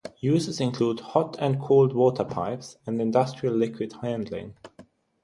Uses include hot and cold water pipes, and industrial liquid handling.